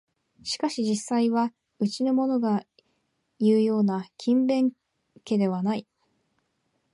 しかし実際はうちのものがいうような勤勉家ではない